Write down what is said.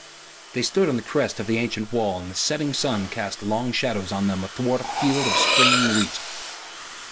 They stood on the crest of the ancient wall and the setting sun cast long shadows of them athwart a field of springing wheat.